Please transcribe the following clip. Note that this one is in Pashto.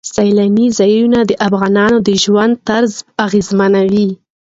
سیلاني ځایونه د افغانانو د ژوند طرز اغېزمنوي.